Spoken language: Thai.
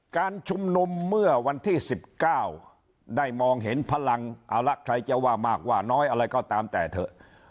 การชุมนุมเมื่อวันที่๑๙ได้มองเห็นพลังเอาละใครจะว่ามากว่าน้อยอะไรก็ตามแต่เถอะ